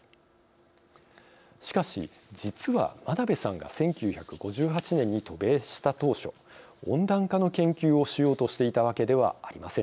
しかし実は真鍋さんが１９５８年に渡米した当初温暖化の研究をしようとしていたわけではありませんでした。